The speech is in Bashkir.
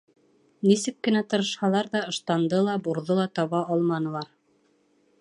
Нисек кенә тырышһалар ҙа, ыштанды ла, бурҙы ла таба алманылар.